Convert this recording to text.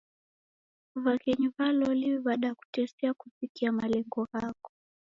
W'aghenyi wa loli w'adakutesia kuvikia malengo ghako.